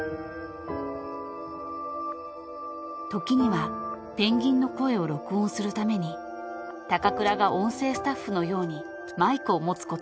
［時にはペンギンの声を録音するために高倉が音声スタッフのようにマイクを持つこともありました］